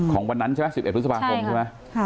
ของวันนั้นใช่ไหม๑๑พฤษภาคมใช่ไหม